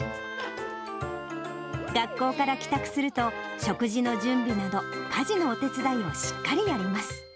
学校から帰宅すると、食事の準備など、家事のお手伝いをしっかりやります。